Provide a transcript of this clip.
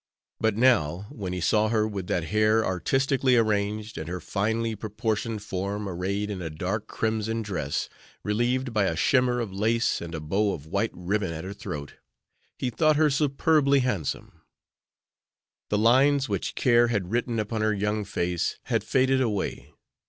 But now, when he saw her with that hair artistically arranged, and her finely proportioned form arrayed in a dark crimson dress, relieved by a shimmer of lace and a bow of white ribbon at her throat, he thought her superbly handsome. The lines which care had written upon her young face had faded away.